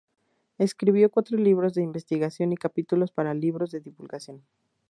Escribió cuatro libros de investigación y capítulos para libros de divulgación.